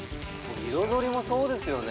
彩りもそうですよね。